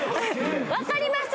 わかります？